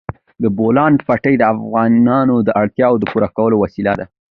د بولان پټي د افغانانو د اړتیاوو د پوره کولو وسیله ده.